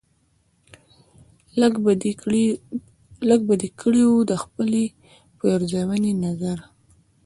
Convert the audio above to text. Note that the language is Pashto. لږ به دې کړی و دخپلې پیرزوینې نظر